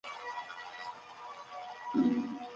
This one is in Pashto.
یوازې یو له رنګه سپین دیوال یې